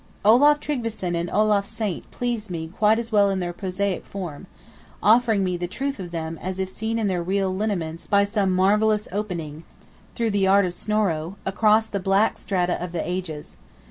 Olaf Tryggveson and Olaf Saint please me quite as well in their prosaic form; offering me the truth of them as if seen in their real lineaments by some marvellous opening (through the art of Snorro) across the black strata of the ages.